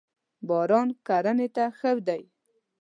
باران کرنی ته ښه دی.